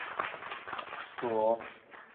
所以我最后什么都没有摘到